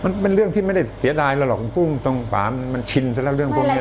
เสียดายแล้วหรอกตรงป่าวมันชินซะแล้วเรื่องก้มเยือก